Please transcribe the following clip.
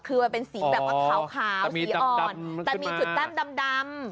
คือมันเป็นสีแบบว่าขาวสีอ่อนแต่มีจุดแต้มดำ